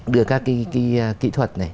đưa các kỹ thuật này